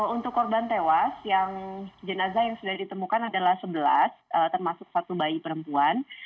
untuk korban tewas jenazah yang sudah ditemukan adalah sebelas termasuk satu bayi perempuan